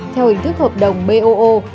theo hình thức hợp đồng boo